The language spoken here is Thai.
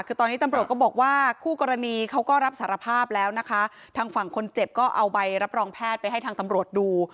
คือตอนนี้ตำรวจก็บอกว่าคู่กรณีเขาก็รับสารภาพแล้วนะคะทางฝั่งคนเจ็บก็เอาใบรับรองแพทย์ไปให้ทางตำรวจดู